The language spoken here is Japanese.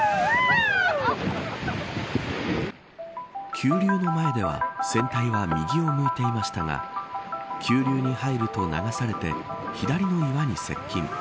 急流の前では船体は右を向いていましたが急流に入ると流されて左の岩に接近。